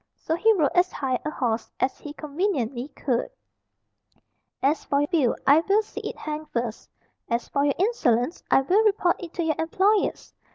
So he rode as high a horse as he conveniently could. "As for your bill, I will see it hanged first. As for your insolence, I will report it to your employers.